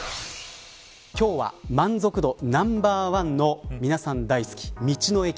今日は満足度ナンバーワンの皆さん大好き、道の駅。